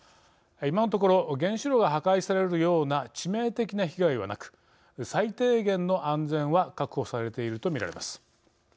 今のところ原子炉が破壊されるような致命的な被害はなく最低限の安全は確保されているとみられます。